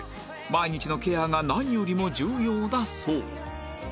毎日のケアが何よりも重要だそう